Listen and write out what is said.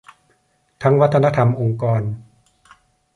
ทั้งวัฒนธรรมองค์กร